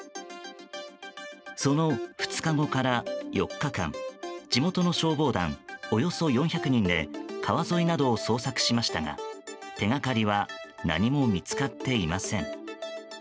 その２日後から４日間地元の消防団、およそ４００人で川沿いなどを捜索しましたが手掛かりは何も見つかっていません。